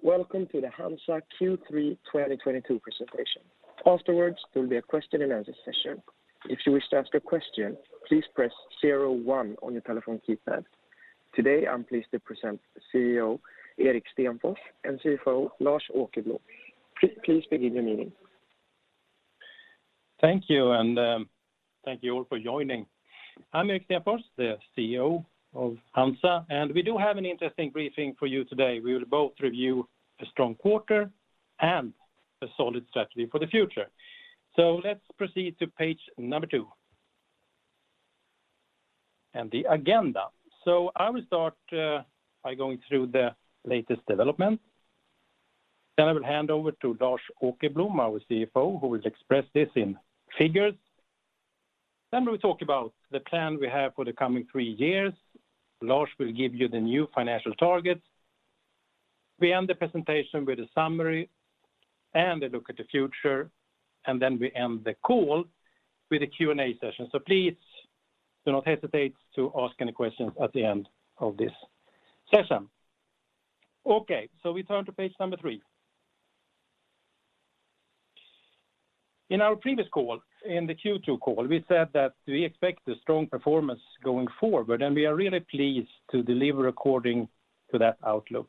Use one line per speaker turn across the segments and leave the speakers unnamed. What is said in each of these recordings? Welcome to the HANZA Q3 2022 presentation. Afterwards, there will be a question and answer session. If you wish to ask a question, please press 01 on your telephone keypad. Today, I'm pleased to present CEO, Erik Stenfors, and CFO, Lars Åkerblom. Please begin your meeting.
Thank you, and thank you all for joining. I'm Erik Stenfors, the CEO of HANZA, and we do have an interesting briefing for you today. We will both review a strong quarter and a solid strategy for the future. Let's proceed to page number two, and the agenda. I will start by going through the latest development, then I will hand over to Lars Åkerblom, our CFO, who will express this in figures. We'll talk about the plan we have for the coming three years. Lars will give you the new financial targets. We end the presentation with a summary and a look at the future, and then we end the call with a Q&A session. Please, do not hesitate to ask any questions at the end of this session. Okay, we turn to page number three. In our previous call, in the Q2 call, we said that we expect a strong performance going forward, and we are really pleased to deliver according to that outlook.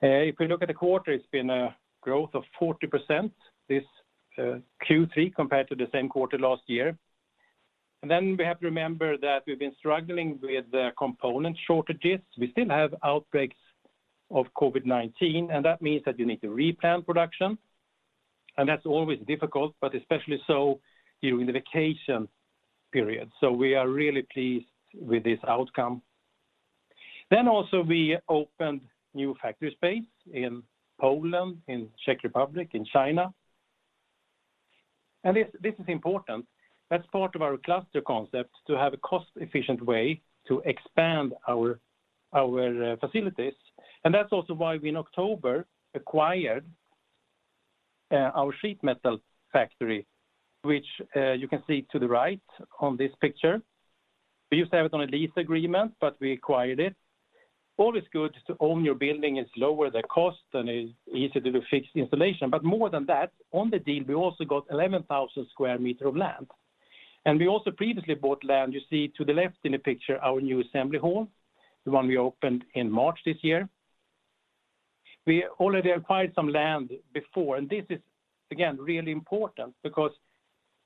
If you look at the quarter, it's been a growth of 40%, this Q3 compared to the same quarter last year. We have to remember that we've been struggling with the component shortages. We still have outbreaks of COVID-19, and that means that you need to replan production. That's always difficult, but especially so during the vacation period. We are really pleased with this outcome. Also we opened new factory space in Poland, in Czech Republic, in China. This is important. That's part of our cluster concept to have a cost-efficient way to expand our facilities. That's also why we, in October, acquired our sheet metal factory, which you can see to the right on this picture. We used to have it on a lease agreement, but we acquired it. Always good to own your building. It's lower the cost, and it's easier to do fixed installation. More than that, on the deal, we also got 11,000 sq m of land. We also previously bought land, you see to the left in the picture, our new assembly hall, the one we opened in March this year. We already acquired some land before, and this is, again, really important because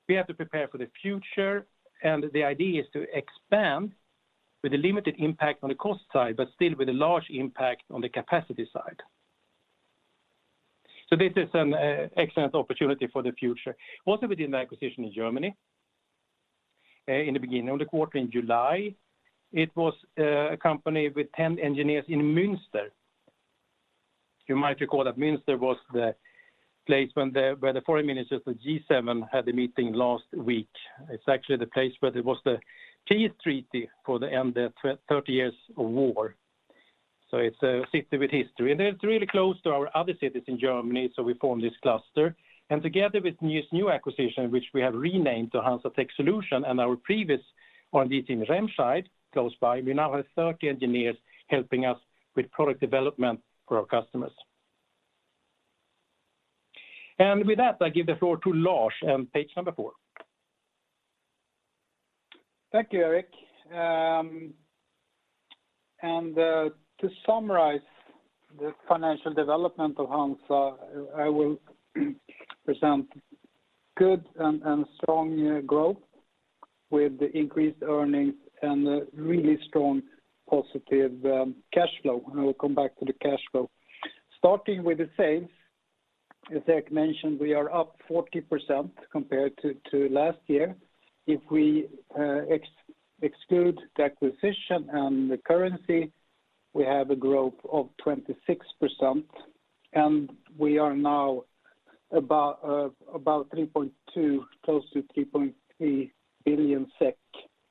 we have to prepare for the future. The idea is to expand with a limited impact on the cost side, but still with a large impact on the capacity side. This is an excellent opportunity for the future. We did an acquisition in Germany in the beginning of the quarter in July. It was a company with 10 engineers in Münster. You might recall that Münster was the place where the foreign ministers of G7 had a meeting last week. It's actually the place where there was the peace treaty for the end of Thirty Years' War. It's a city with history, and it's really close to our other cities in Germany, so we form this cluster. Together with this new acquisition, which we have renamed to HANZA Tech Solutions, and our previous entity in Remscheid close by, we now have 30 engineers helping us with product development for our customers. With that, I give the floor to Lars on page four.
Thank you, Erik. To summarize the financial development of HANZA, I will present good and strong growth with increased earnings and a really strong positive cash flow. I will come back to the cash flow. Starting with the sales, as Erik mentioned, we are up 40% compared to last year. If we exclude the acquisition and the currency, we have a growth of 26%, and we are now about 3.2 billion, close to 3.3 billion SEK.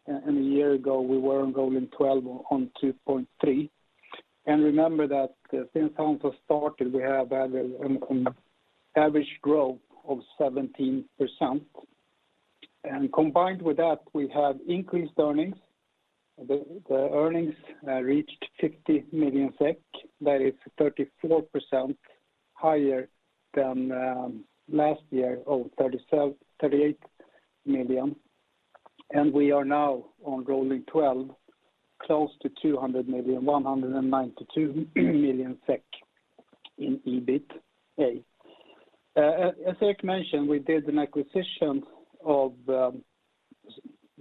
A year ago, we were on rolling 12 on 2.3 billion. Remember that since HANZA started, we have had an average growth of 17%. Combined with that, we have increased earnings. The earnings reached 50 million SEK. That is 34% higher than last year, of 38 million. We are now on rolling 12, close to 200 million, 192 million SEK in EBITA. As Erik mentioned, we did an acquisition of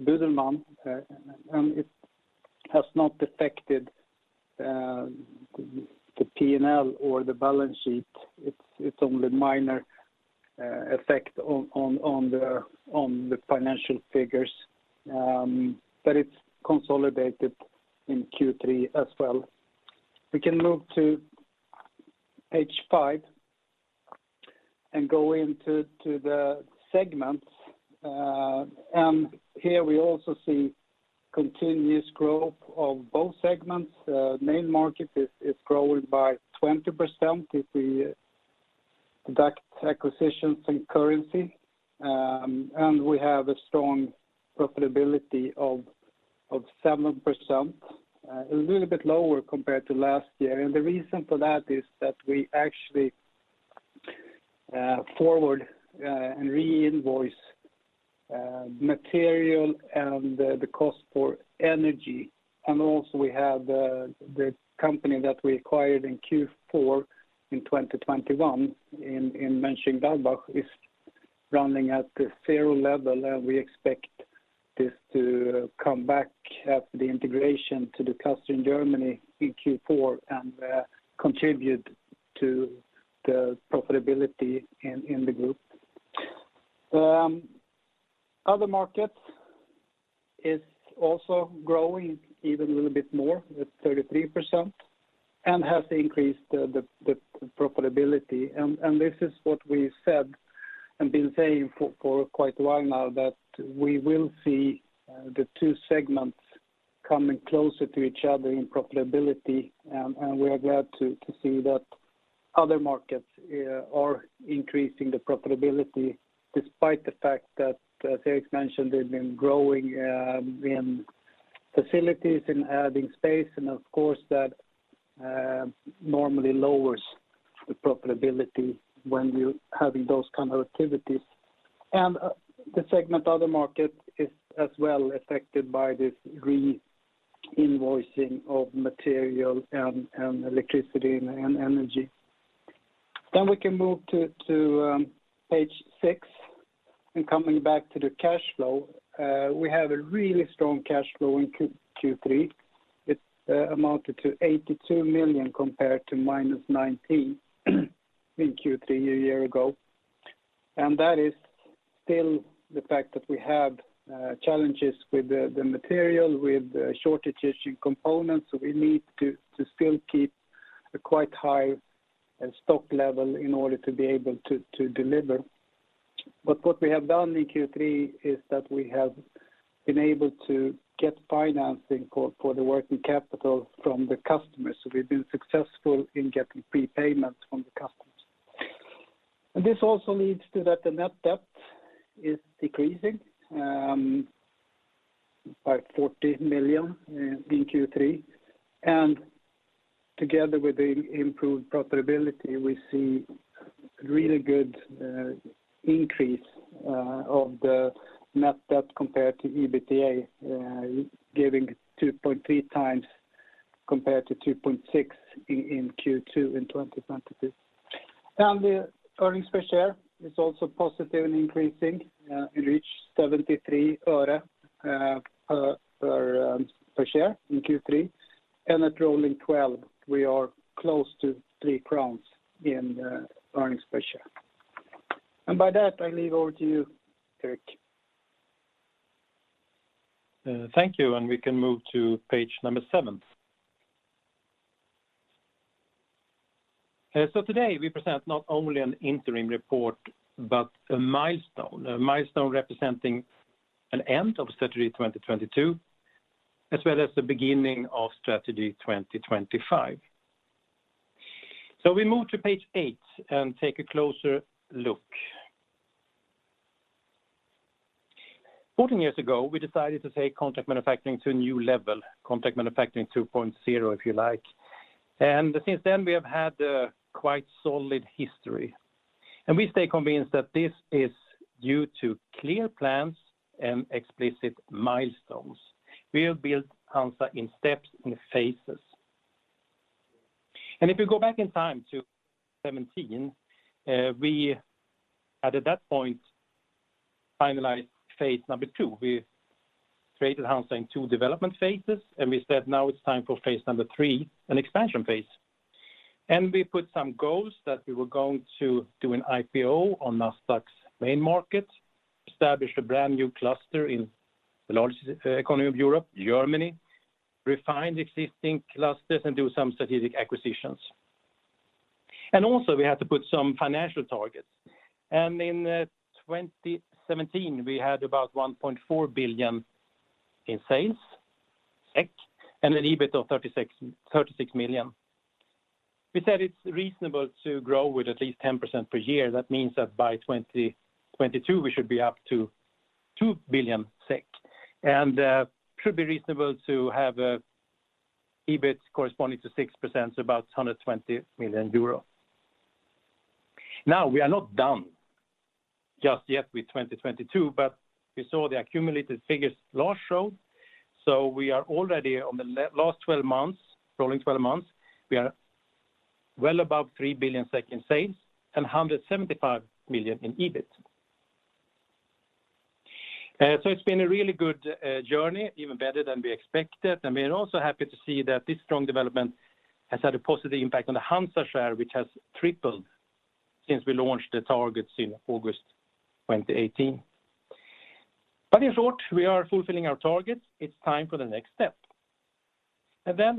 Budelmann, and it has not affected the P&L or the balance sheet. It's only minor effect on the financial figures, but it's consolidated in Q3 as well. We can move to page five and go into the segments. Here we also see continuous growth of both segments. Main market is growing by 20% this year Deducting acquisitions and currency. We have a strong profitability of 7%, a little bit lower compared to last year. The reason for that is that we actually forward and re-invoice material and the cost for energy. Also we have the company that we acquired in Q4 2021 in Mönchengladbach is running at the level 0. We expect this to come back after the integration to the cluster in Germany in Q4 and contribute to the profitability in the group. Other markets is also growing even a little bit more, with 33%, and has increased the profitability. This is what we said and been saying for quite a while now, that we will see the two segments coming closer to each other in profitability. We are glad to see that other markets are increasing the profitability despite the fact that, as Erik mentioned, they've been growing in facilities and adding space and of course that normally lowers the profitability when you're having those kind of activities. The segment Other markets is as well affected by this re-invoicing of material and electricity and energy. We can move to page six, and coming back to the cash flow. We have a really strong cash flow in Q3. It amounted to 82 million compared to -19 million in Q3 a year ago. That is still the fact that we have challenges with the material, with shortages in components. We need to still keep a quite high stock level in order to be able to deliver. What we have done in Q3 is that we have been able to get financing for the working capital from the customers. This also leads to that the net debt is decreasing by 40 million in Q3. Together with the improved profitability, we see really good increase of the net debt compared to EBITDA, giving 2.3 times compared to 2.6 in Q2 in 2022. The earnings per share is also positive and increasing. It reached SEK 0.73 per share in Q3. At rolling 12, we are close to 3 crowns in earnings per share. By that, I leave over to you, Erik.
Thank you. We can move to page number seven. Today we present not only an interim report, but a milestone. A milestone representing an end of strategy 2022, as well as the beginning of strategy 2025. We move to page eight and take a closer look. 14 years ago, we decided to take contract manufacturing to a new level, contract manufacturing 2.0, if you like. Since then, we have had a quite solid history. We stay convinced that this is due to clear plans and explicit milestones. We have built HANZA in steps, in phases. If you go back in time to 2017, we at that point finalized phase number 2. We created HANZA in 2 development phases, we said, "Now it's time for phase number 3, an expansion phase." We put some goals that we were going to do an IPO on Nasdaq's main market, establish a brand new cluster in the largest economy of Europe, Germany, refine existing clusters, and do some strategic acquisitions. Also we had to put some financial targets. In 2017, we had about 1.4 billion in sales, and an EBIT of 36 million. We said it's reasonable to grow with at least 10% per year. That means that by 2022, we should be up to 2 billion SEK and should be reasonable to have an EBIT corresponding to 6%, so about 120 million euros. We are not done just yet with 2022, but we saw the accumulated figures Lars showed. We are already on the last 12 months, rolling 12-month months, we are well above 3 billion SEK in sales and 175 million in EBIT. It's been a really good journey, even better than we expected. We are also happy to see that this strong development has had a positive impact on the HANZA share, which has tripled since we launched the targets in August 2018. In short, we are fulfilling our targets. It's time for the next step.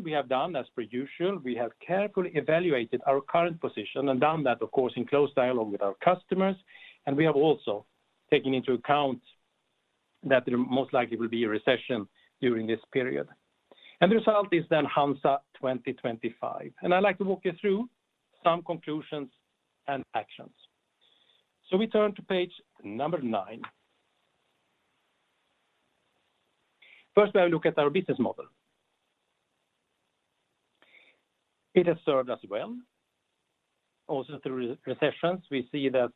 We have done, as per usual, we have carefully evaluated our current position and done that, of course, in close dialogue with our customers. We have also taken into account that there most likely will be a recession during this period. The result is then HANZA 2025. I'd like to walk you through some conclusions and actions. We turn to page number nine. First, we have a look at our business model. It has served us well, also through recessions. We see on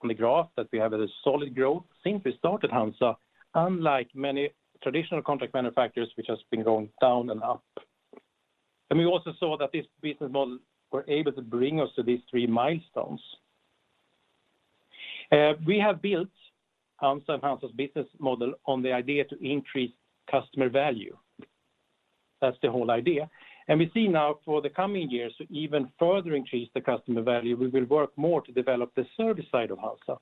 the graph that we have a solid growth since we started HANZA, unlike many traditional contract manufacturers, which has been going down and up. We also saw that this business model was able to bring us to these three milestones. We have built HANZA and HANZA's business model on the idea to increase customer value. That's the whole idea. We see now for the coming years, to even further increase the customer value, we will work more to develop the service side of HANZA.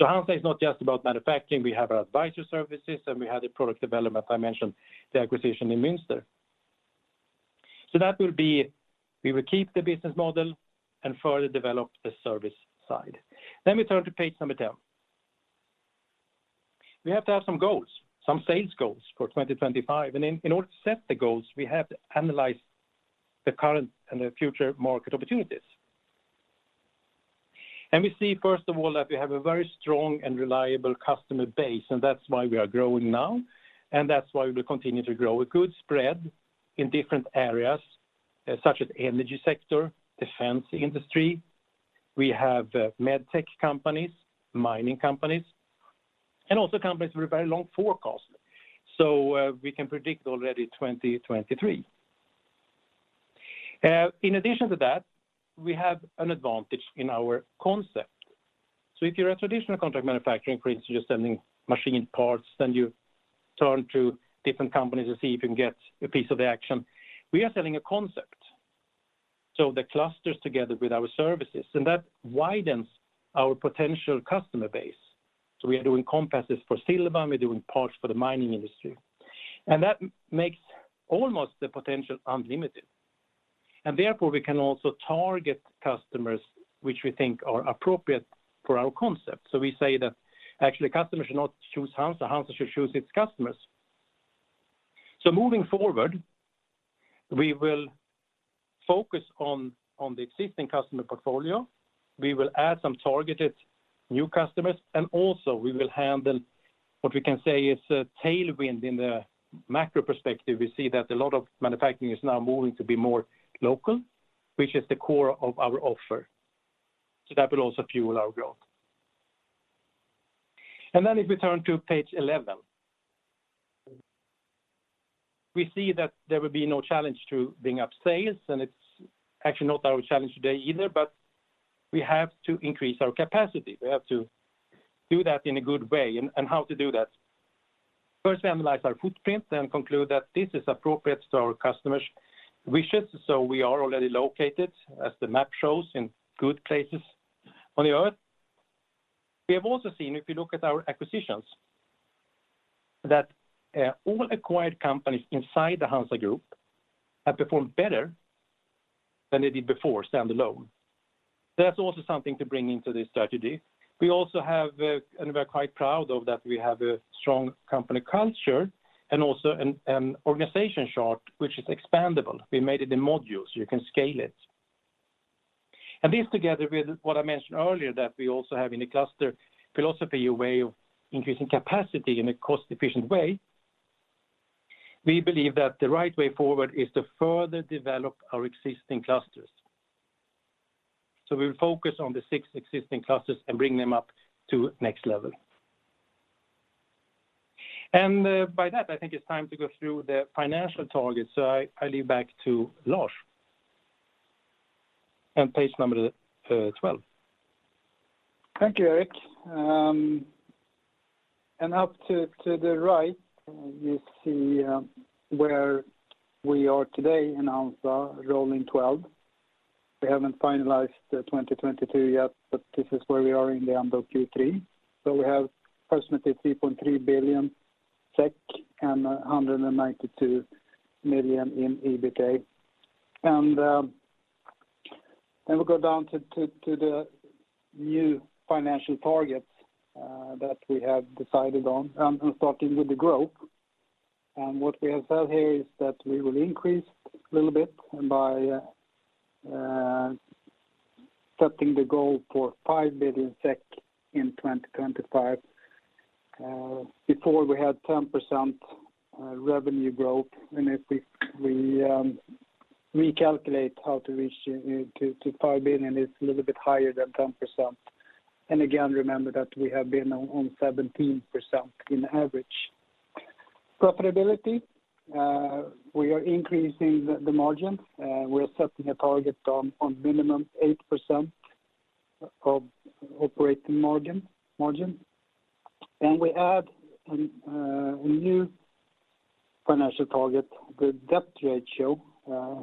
HANZA is not just about manufacturing. We have our advisory services, and we have the product development. I mentioned the acquisition in Münster. We will keep the business model and further develop the service side. We turn to page number 10. We have to have some goals, some sales goals for 2025. In order to set the goals, we have to analyze the current and the future market opportunities. We see, first of all, that we have a very strong and reliable customer base, and that's why we are growing now, and that's why we will continue to grow a good spread in different areas, such as energy sector, defense industry. We have med tech companies, mining companies, and also companies with very long forecast. We can predict already 2023. In addition to that, we have an advantage in our concept. If you're a traditional contract manufacturing, for instance, you're sending machine parts, then you turn to different companies to see if you can get a piece of the action. We are selling a concept, the clusters together with our services, and that widens our potential customer base. We are doing compasses for Silva, we're doing parts for the mining industry. That makes almost the potential unlimited. Therefore, we can also target customers which we think are appropriate for our concept. We say that actually customers should not choose HANZA. HANZA should choose its customers. Moving forward, we will focus on the existing customer portfolio. We will add some targeted new customers, and also we will handle what we can say is a tailwind in the macro perspective. We see that a lot of manufacturing is now moving to be more local, which is the core of our offer. That will also fuel our growth. If we turn to page 11. We see that there will be no challenge to bring up sales, and it's actually not our challenge today either, but we have to increase our capacity. We have to do that in a good way, and how to do that? First, we analyze our footprint and conclude that this is appropriate to our customers' wishes. We are already located, as the map shows, in good places on the earth. We have also seen, if you look at our acquisitions, that all acquired companies inside the HANZA Group have performed better than they did before standalone. That's also something to bring into this strategy. We also have, and we're quite proud of that we have a strong company culture and also an organization chart, which is expandable. We made it in modules. You can scale it. This together with what I mentioned earlier, that we also have in the cluster philosophy, a way of increasing capacity in a cost-efficient way. We believe that the right way forward is to further develop our existing clusters. We will focus on the six existing clusters and bring them up to next level. By that, I think it's time to go through the financial targets. I leave back to Lars. Page number 12.
Thank you, Erik. Up to the right, you see where we are today in HANZA, rolling 12-month. We haven't finalized 2022 yet, but this is where we are in the end of Q3. We have approximately 3.3 billion SEK and 192 million in EBITDA. We go down to the new financial targets that we have decided on, and starting with the growth. What we have said here is that we will increase a little bit by setting the goal for 5 billion SEK in 2025. Before we had 10% revenue growth, and if we recalculate how to reach to 5 billion, it's a little bit higher than 10%. Again, remember that we have been on 17% in average. Profitability, we are increasing the margin. We are setting a target on minimum 8% of operating margin. We add a new financial target, the debt ratio.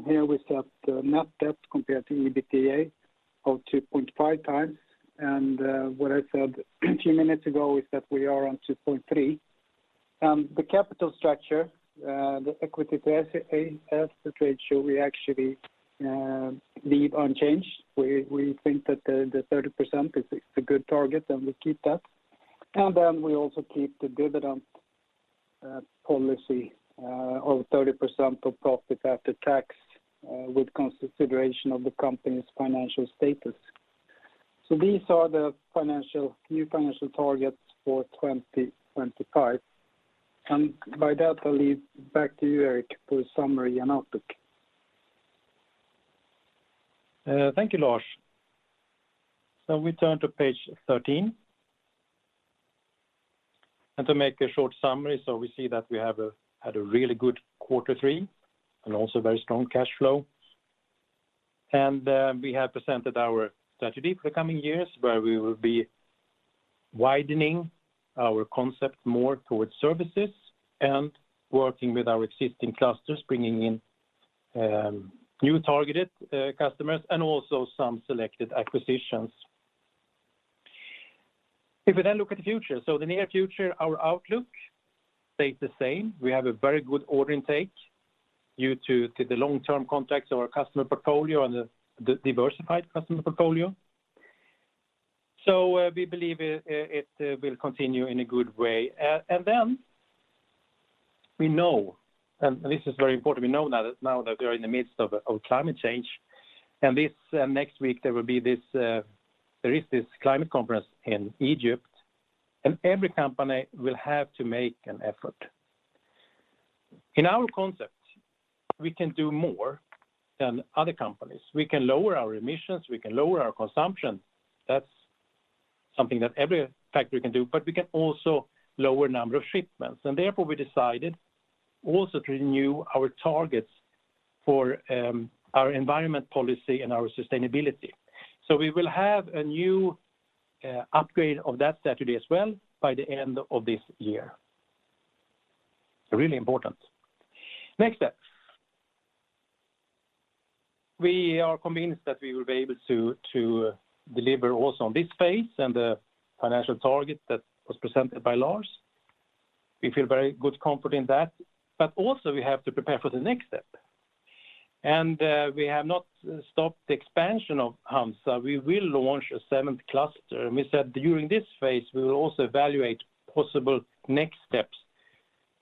Here we set net debt compared to EBITDA of 2.5 times. What I said a few minutes ago is that we are on 2.3. The capital structure, the equity to asset ratio, we actually leave unchanged. We think that the 30% is a good target, and we keep that. Then we also keep the dividend policy of 30% of profit after tax with consideration of the company's financial status. These are the new financial targets for 2025. With that, I'll leave it back to you, Erik, for a summary and outlook.
Thank you, Lars. We turn to page 13. To make a short summary, we see that we have had a really good quarter three and also very strong cash flow. We have presented our strategy for the coming years, where we will be widening our concept more towards services and working with our existing clusters, bringing in new targeted customers and also some selected acquisitions. We look at the future, the near future, our outlook stays the same. We have a very good order intake due to the long-term contracts of our customer portfolio and the diversified customer portfolio. We believe it will continue in a good way. We know, this is very important, we know now that we are in the midst of climate change. Next week there is this climate conference in Egypt, and every company will have to make an effort. In our concept, we can do more than other companies. We can lower our emissions, we can lower our consumption. That's something that every factory can do, we can also lower the number of shipments. We decided also to renew our targets for our environment policy and our sustainability. We will have a new upgrade of that strategy as well by the end of this year. Really important. Next step. We are convinced that we will be able to deliver also on this phase and the financial target that was presented by Lars. We feel very good comfort in that, also we have to prepare for the next step. We have not stopped the expansion of HANZA. We will launch a seventh cluster. We said during this phase, we will also evaluate possible next steps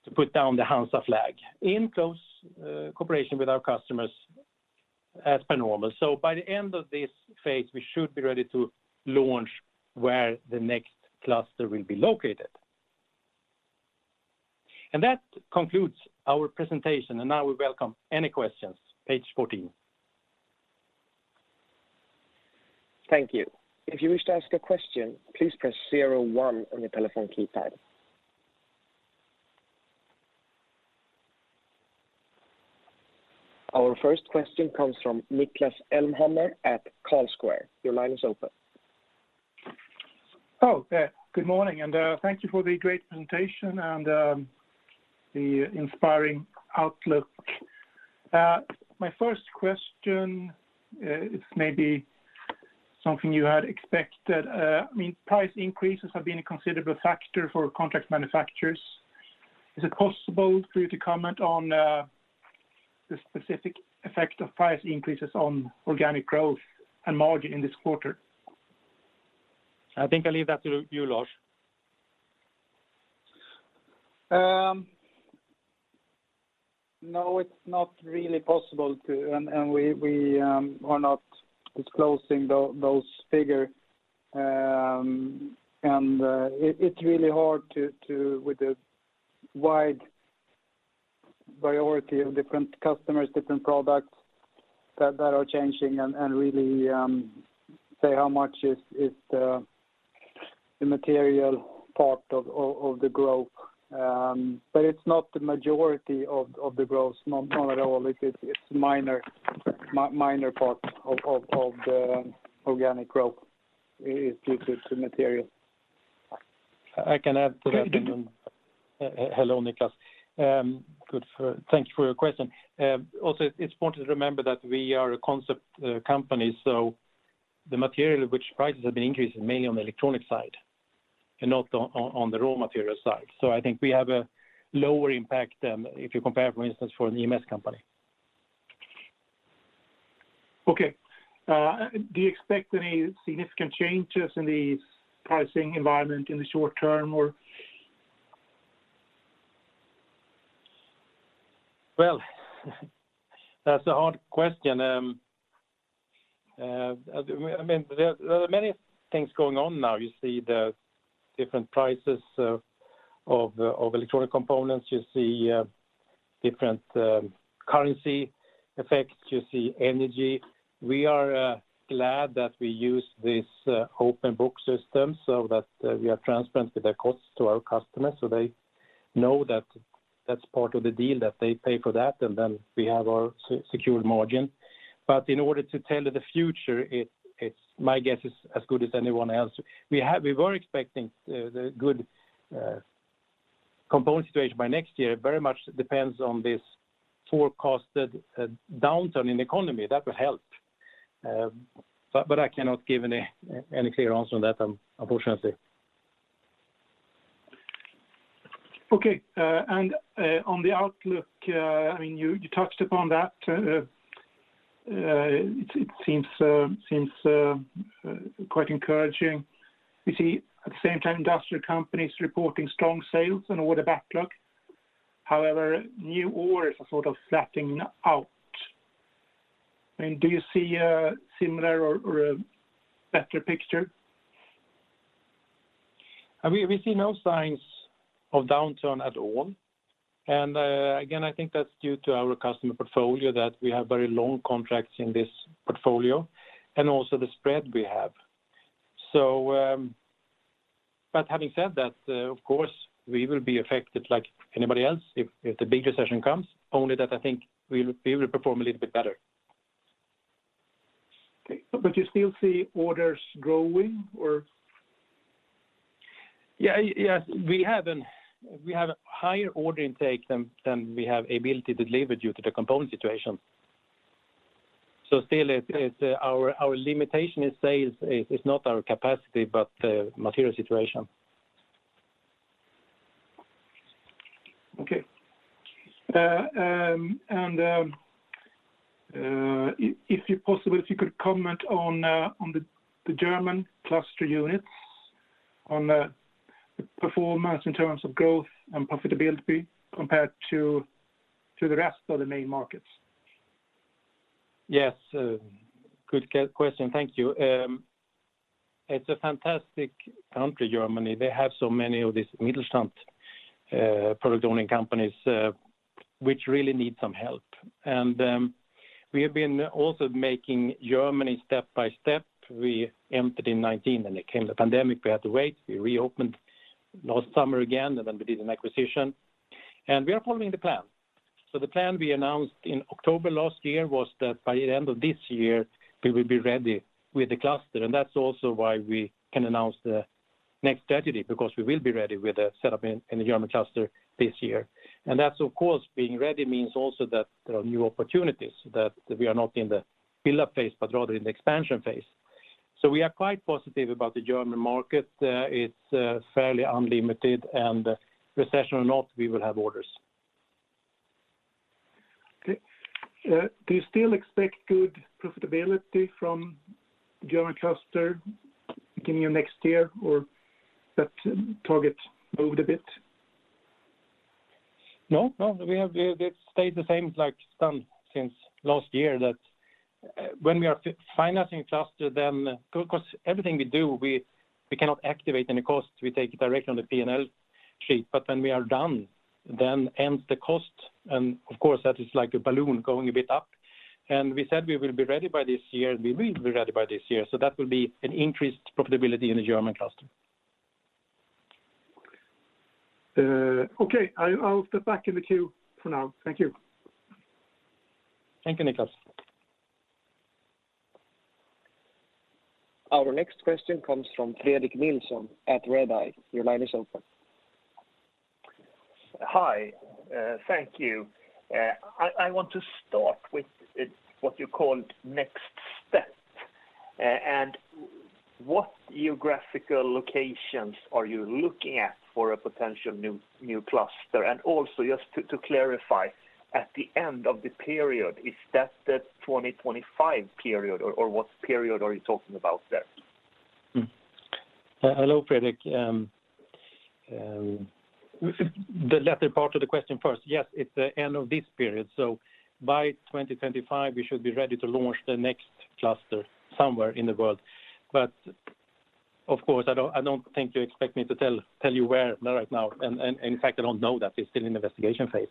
to put down the HANZA flag in close cooperation with our customers as per normal. By the end of this phase, we should be ready to launch where the next cluster will be located. That concludes our presentation, and now we welcome any questions. Page 14.
Thank you. If you wish to ask a question, please press zero one on your telephone keypad. Our first question comes from Niklas Elmhammer at Carlsquare. Your line is open.
Oh, yeah. Good morning. Thank you for the great presentation and the inspiring outlook. My first question is maybe something you had expected. Price increases have been a considerable factor for contract manufacturers. Is it possible for you to comment on the specific effect of price increases on organic growth and margin in this quarter?
I think I'll leave that to you, Lars.
No, it's not really possible. We are not disclosing those figures. It's really hard with the wide variety of different customers, different products that are changing and really say how much is the material part of the growth. It's not the majority of the growth, not at all. It's a minor part of the organic growth is due to material.
I can add to that. Hello, Niklas. Thank you for your question. Also, it's important to remember that we are a concept company, the material which prices have been increasing mainly on the electronic side and not on the raw material side. I think we have a lower impact than if you compare, for instance, for an EMS company.
Okay. Do you expect any significant changes in the pricing environment in the short term, or?
Well that's a hard question. There are many things going on now. You see the different prices of electronic components. You see different currency effects. You see energy. We are glad that we use this open-book accounting system so that we are transparent with the costs to our customers, so they know that that's part of the deal, that they pay for that, and then we have our secure margin. In order to tell the future, my guess is as good as anyone else. We were expecting the good component situation by next year. It very much depends on this forecasted downturn in the economy. That will help. I cannot give any clear answer on that, unfortunately.
Okay. On the outlook, you touched upon that. It seems quite encouraging. We see at the same time, industrial companies reporting strong sales and order backlog. However, new orders are sort of flattening out. Do you see a similar or a better picture?
We see no signs of downturn at all. Again, I think that's due to our customer portfolio, that we have very long contracts in this portfolio and also the spread we have. Having said that, of course, we will be affected like anybody else if the big recession comes. Only that I think we will perform a little bit better.
Okay. You still see orders growing?
Yes. We have a higher order intake than we have ability to deliver due to the component situation. Still, our limitation in sales is not our capacity, but the material situation.
Okay. If possible, if you could comment on the German cluster units, on the performance in terms of growth and profitability compared to the rest of the main markets.
Yes. Good question. Thank you. It's a fantastic country, Germany. They have so many of these Mittelstand product-owning companies, which really need some help. We have been also making Germany step by step. We entered in 2019, and then came the pandemic. We had to wait. We reopened last summer again, and then we did an acquisition. We are following the plan. The plan we announced in October last year was that by the end of this year, we will be ready with the cluster, and that's also why we can announce the next strategy, because we will be ready with a set-up in the German cluster this year. That of course, being ready means also that there are new opportunities, that we are not in the build-up phase, but rather in the expansion phase. We are quite positive about the German market. It's fairly unlimited. Recession or not, we will have orders.
Okay. Do you still expect good profitability from German cluster beginning of next year, or that target moved a bit?
No. It stayed the same since last year, that when we are financing cluster, because everything we do, we cannot activate any costs. We take it directly on the P&L sheet. When we are done, ends the cost. Of course, that is like a balloon going a bit up. We said we will be ready by this year, and we will be ready by this year. That will be an increased profitability in the German cluster.
Okay. I'll step back in the queue for now. Thank you.
Thank you, Niklas. Our next question comes from Fredrik Nilsson at Redeye. Your line is open.
Hi. Thank you. I want to start with what you called next step. What geographical locations are you looking at for a potential new cluster? Also, just to clarify, at the end of the period, is that the 2025 period, or what period are you talking about there?
Hello, Fredrik. The latter part of the question first. Yes, it's the end of this period. By 2025, we should be ready to launch the next cluster somewhere in the world. Of course, I don't think you expect me to tell you where right now. In fact, I don't know that. It's still in the investigation phase.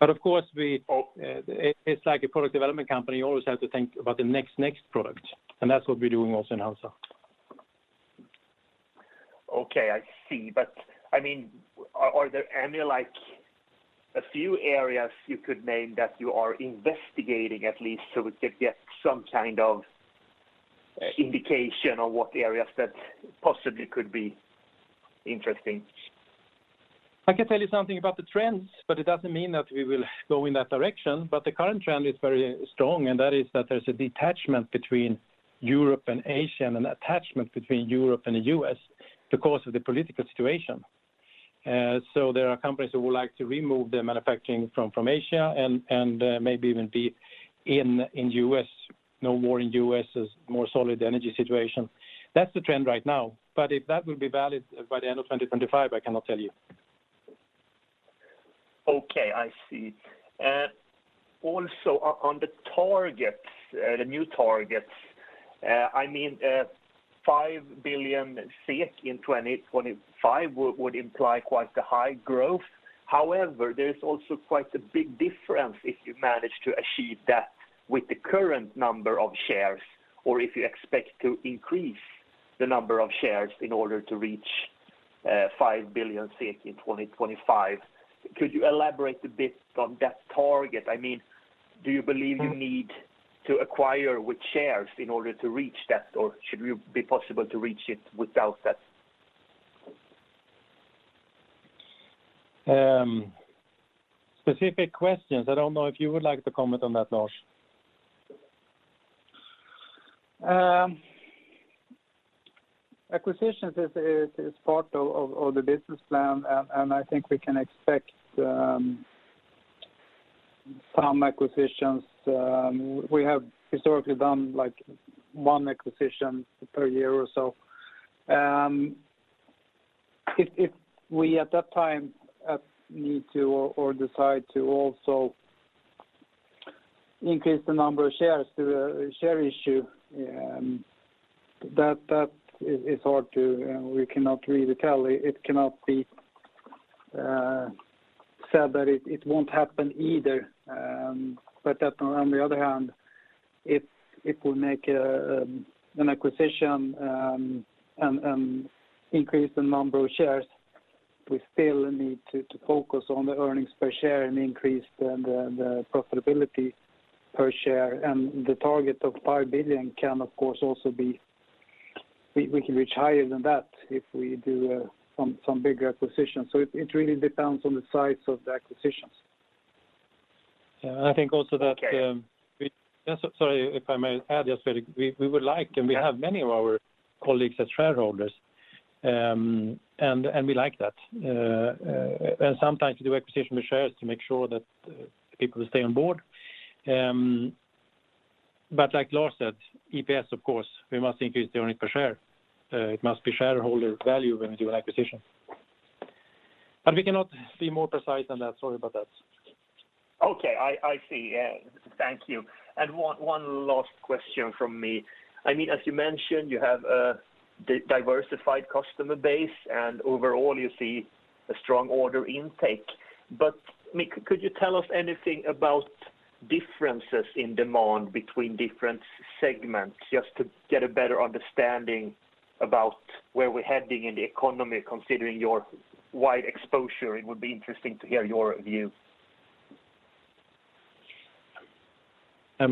Of course, it's like a product development company. You always have to think about the next product, and that's what we're doing also in HANZA.
Okay. I see. Are there a few areas you could name that you are investigating at least so we could get some kind of indication on what areas that possibly could be interesting?
I can tell you something about the trends, but it doesn't mean that we will go in that direction. The current trend is very strong, and that is that there's a detachment between Europe and Asia and an attachment between Europe and the U.S. because of the political situation. There are companies who would like to remove their manufacturing from Asia and maybe even be in U.S. No war in U.S. is more solid energy situation. That's the trend right now. If that will be valid by the end of 2025, I cannot tell you.
Okay. I see. On the targets, the new targets, 5 billion SEK in 2025 would imply quite a high growth. There is also quite a big difference if you manage to achieve that with the current number of shares, or if you expect to increase the number of shares in order to reach 5 billion SEK in 2025. Could you elaborate a bit on that target? Do you believe you need to acquire with shares in order to reach that, or should we be possible to reach it without that?
Specific questions, I don't know if you would like to comment on that, Lars.
Acquisitions is part of the business plan, and I think we can expect some acquisitions. We have historically done one acquisition per year or so. If we at that time need to or decide to also increase the number of shares through a share issue, that is hard to, we cannot really tell. It cannot be said that it won't happen either. On the other hand, if we make an acquisition and increase the number of shares, we still need to focus on the earnings per share and increase the profitability per share. The target of 5 billion SEK can, of course, also be. We can reach higher than that if we do some big acquisitions. It really depends on the size of the acquisitions.
I think also that. Sorry, if I may add, just that we would like, and we have many of our colleagues as shareholders, and we like that. Sometimes we do acquisition with shares to make sure that people stay on board. Like Lars said, EPS, of course, we must increase the earnings per share. It must be shareholder value when we do an acquisition. We cannot be more precise than that. Sorry about that.
Okay, I see. Thank you. One last question from me. As you mentioned, you have a diversified customer base, and overall you see a strong order intake. Could you tell us anything about differences in demand between different segments, just to get a better understanding about where we're heading in the economy, considering your wide exposure? It would be interesting to hear your view.
I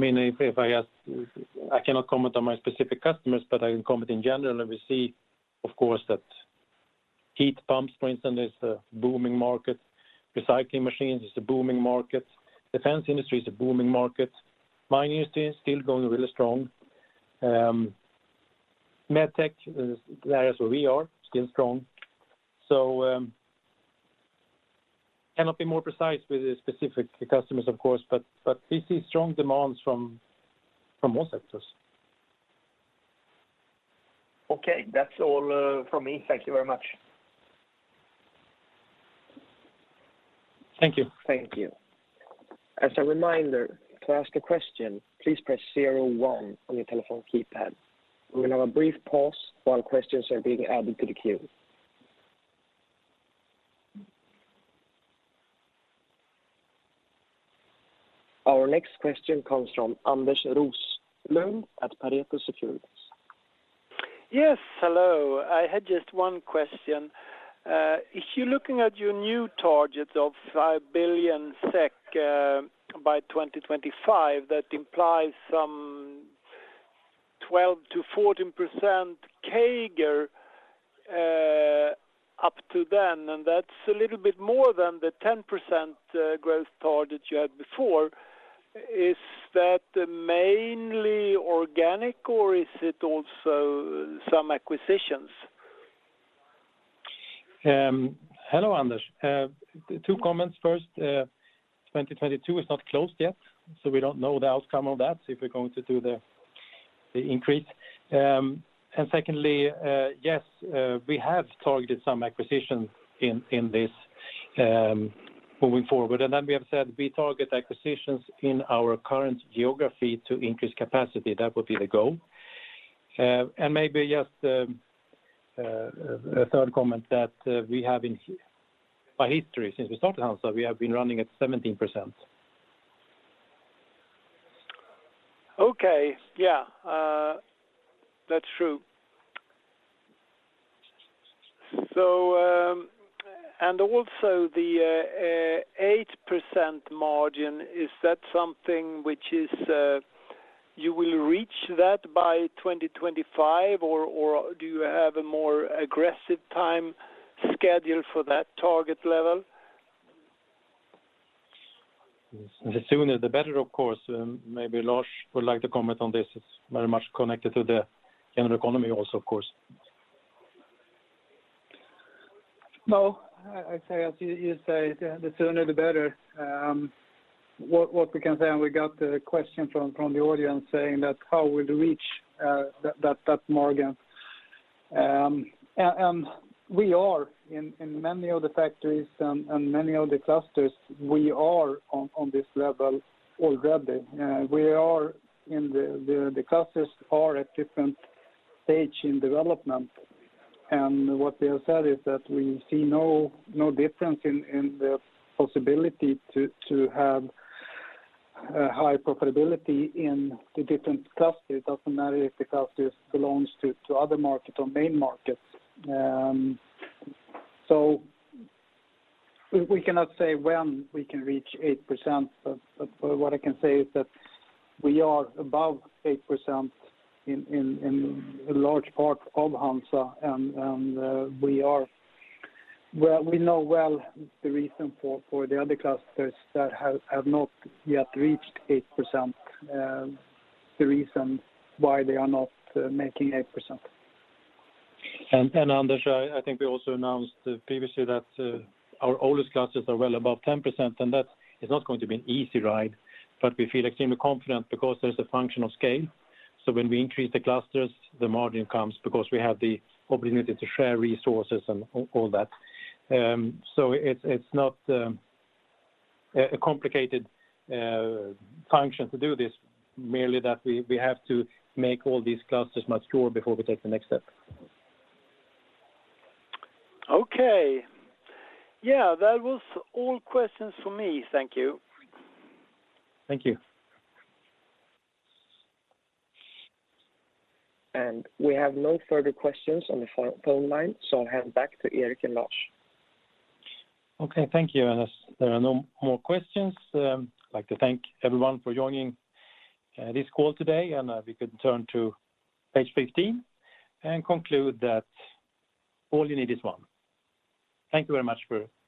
cannot comment on my specific customers, but I can comment in general that we see, of course, that heat pumps, for instance, is a booming market. Recycling machines is a booming market. Defense industry is a booming market. Mining is still going really strong. Medtech, the areas where we are, still strong. I cannot be more precise with the specific customers, of course, but we see strong demands from most sectors.
Okay, that's all from me. Thank you very much.
Thank you.
Thank you. As a reminder, to ask a question, please press 01 on your telephone keypad. We're going to have a brief pause while questions are being added to the queue. Our next question comes from Anders Roslund at Pareto Securities.
Yes, hello. I had just one question. If you're looking at your new target of 5 billion SEK by 2025, that implies some 12%-14% CAGR up to then. That's a little bit more than the 10% growth target you had before. Is that mainly organic, or is it also some acquisitions?
Hello, Anders. Two comments. First, 2022 is not closed yet, we don't know the outcome of that, if we're going to do the increase. Secondly, yes, we have targeted some acquisitions in this moving forward. Then we have said we target acquisitions in our current geography to increase capacity. That would be the goal. Maybe just a third comment that we have in our history since we started HANZA, we have been running at 17%.
Okay. Yeah. That's true. Also the 8% margin, is that something which you will reach by 2025, or do you have a more aggressive time schedule for that target level?
The sooner, the better, of course. Maybe Lars would like to comment on this. It is very much connected to the general economy also, of course.
I say as you say, the sooner, the better. What we can say, and we got a question from the audience saying that how we will reach that margin. In many of the factories and many of the clusters, we are on this level already. The clusters are at different stage in development. What they have said is that we see no difference in the possibility to have a high profitability in the different clusters. It does not matter if the clusters belong to other market or main markets. We cannot say when we can reach 8%, but what I can say is that we are above 8% in a large part of HANZA, and we know well the reason for the other clusters that have not yet reached 8%, the reason why they are not making 8%.
Anders, I think we also announced previously that our oldest clusters are well above 10%. That is not going to be an easy ride, but we feel extremely confident because there is a function of scale. When we increase the clusters, the margin comes because we have the opportunity to share resources and all that. It is not a complicated function to do this, merely that we have to make all these clusters mature before we take the next step.
Okay. Yeah, that was all questions for me. Thank you.
Thank you.
We have no further questions on the phone line, so I'll hand back to Erik and Lars.
Okay. Thank you. Unless there are no more questions, I'd like to thank everyone for joining this call today, and we can turn to page 15 and conclude that all you need is one. Thank you very much for listening.